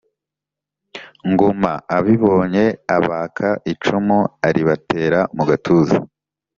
ngoma abibonye abaka icumu aribatera mugatuza